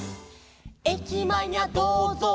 「えきまえにゃどうぞう」